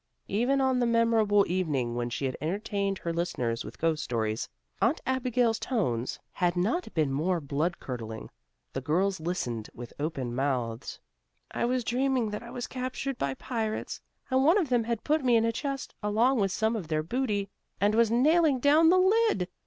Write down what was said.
Even on the memorable evening when she had entertained her listeners with ghost stories, Aunt Abigail's tones had not been more blood curdling. The girls listened with open mouths. "I was dreaming that I was captured by pirates, and one of them had put me in a chest, along with some of their booty, and was nailing down the lid.